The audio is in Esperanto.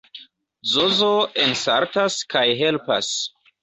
Zozo ensaltas kaj helpas.